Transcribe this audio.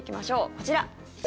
こちら。